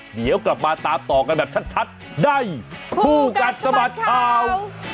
เดี๋ยวกลับมาตามต่อกันแบบชัดได้ผู้กัดสมัครเท้า